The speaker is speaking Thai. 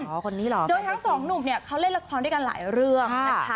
โดยทั้งสองหนุ่มเนี่ยเขาเล่นละครด้วยกันหลายเรื่องนะคะ